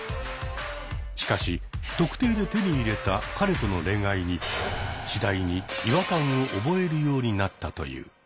しかし「特定」で手に入れた彼との恋愛に次第に違和感を覚えるようになったという。